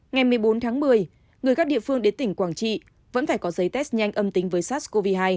ngày một mươi bốn tháng một mươi người các địa phương đến tỉnh quảng trị vẫn phải có giấy test nhanh âm tính với sars cov hai